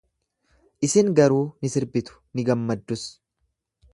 Isin garuu ni sirbitu, ni gammaddus.